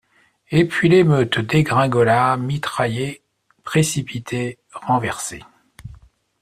Et puis l'émeute dégringola mitraillée, précipitée, renversée.